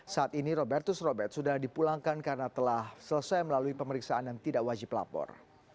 saat ini robertus robert sudah dipulangkan karena telah selesai melalui pemeriksaan yang tidak wajib lapor